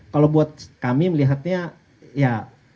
kalau buat kami melihatnya